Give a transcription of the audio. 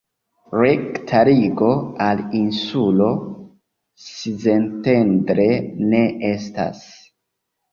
Rekta ligo al insulo Szentendre ne estas.